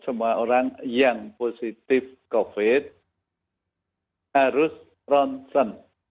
semua orang yang positif covid sembilan belas harus ronsen